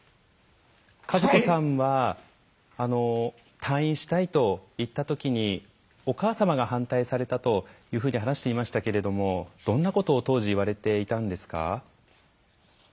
和子さんは退院したいと言ったときにお母様が反対されたというふうに話していましたけれどもどんなことを当時言われていたんですか？